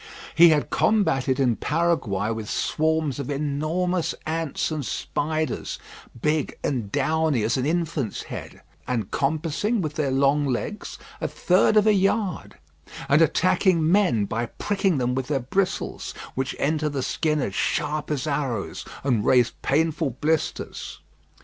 He had combated in Paraguay with swarms of enormous ants and spiders, big and downy as an infant's head, and compassing with their long legs a third of a yard, and attacking men by pricking them with their bristles, which enter the skin as sharp as arrows, and raise painful blisters.